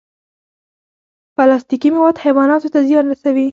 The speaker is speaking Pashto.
پلاستيکي مواد حیواناتو ته زیان رسوي.